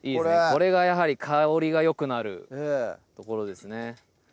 これがやはり香りがよくなるところですね